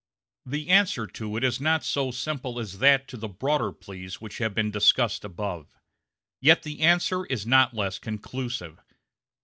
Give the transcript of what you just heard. The answer to it is not so simple as that to the broader pleas which have been discussed above. Yet the answer is not less conclusive.